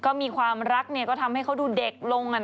ก็มีความรักก็ทำให้เขาดูเด็กลง